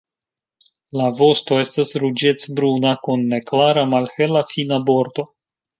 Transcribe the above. La vosto estas ruĝecbruna kun neklara malhela fina bordo.